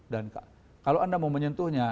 dan kalau anda mau menyentuhnya